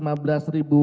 yang setelah dipotong